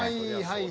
はい！